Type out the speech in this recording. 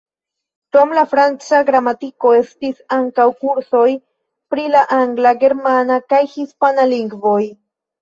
Krom la franca gramatiko, estis ankaŭ kursoj pri la angla, germana kaj hispana lingvoj.